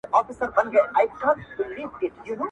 یوه ورځ خره ته لېوه ویله وروره -